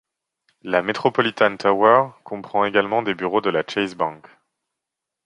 La Metropolitan Tower comprend également des bureaux de la Chase Bank.